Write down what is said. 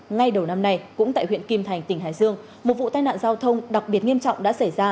ngay đầu năm nay cũng tại huyện kim thành tỉnh hải dương một vụ tai nạn giao thông đặc biệt nghiêm trọng đã xảy ra